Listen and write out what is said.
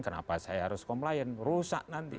kenapa saya harus komplain rusak nanti